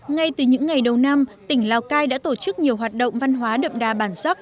ngay từ những ngày đầu năm tỉnh lào cai đã tổ chức nhiều hoạt động văn hóa đậm đà bản sắc